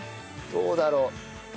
どうだろう？